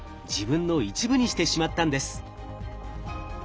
自分の一部にしてしまったんです。